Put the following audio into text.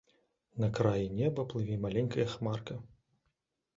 На краі неба плыве маленькая хмарка.